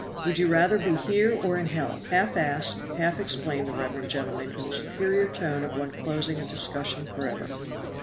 Would you rather be here or in hell?" half asked, half explained the reverend gentleman in the superior tone of one closing a discussion forever.